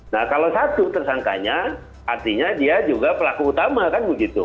nah kalau satu tersangkanya artinya dia juga pelaku utama kan begitu